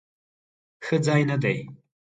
ښه ځای نه دی؟